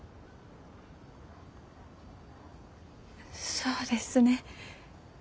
そうですね。